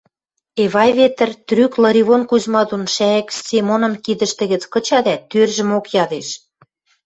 Эвай Петр трӱк Лыривон Кузьма дон Шӓйӹк Семоным кидӹштӹ гӹц кыча дӓ тӧржӹмок ядеш: